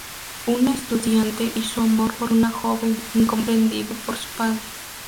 Un estudiante y su amor por una joven, incomprendido por su padre.